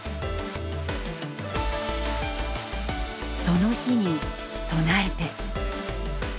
「その日」に備えて。